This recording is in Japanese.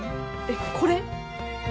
えっこれ？